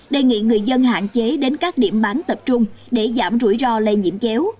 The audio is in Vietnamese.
đề nghị người dân hạn chế đến các điểm bán tập trung để giảm rủi ro lây nhiễm chéo